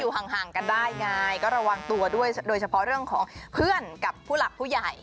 ห่างกันได้ไงก็ระวังตัวด้วยโดยเฉพาะเรื่องของเพื่อนกับผู้หลักผู้ใหญ่